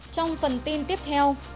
trong phần tin tiếp theo